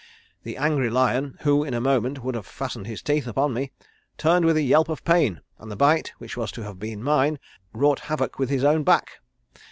The angry lion, who in a moment would have fastened his teeth upon me, turned with a yelp of pain, and the bite which was to have been mine wrought havoc with his own back.